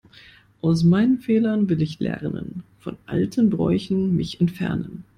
Aus meinen Fehlern will ich lernen, von alten Bräuchen mich entfernen.